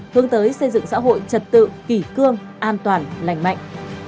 hướng tới xây dựng xã hội trật tự kỷ cương an toàn lành mạnh